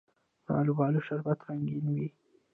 د الوبالو شربت رنګین وي.